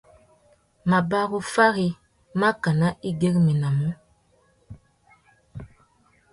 Mabarú fari mákànà i güeréménamú.